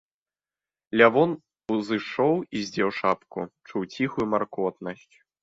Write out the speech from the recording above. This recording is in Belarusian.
Лявон узышоў і здзеў шапку, чуў ціхую маркотнасць.